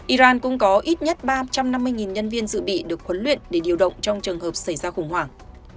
iran cũng có ít nhất ba trăm năm mươi nhân viên dự bị được huấn luyện để điều động trong trường hợp xảy ra khủng hoảng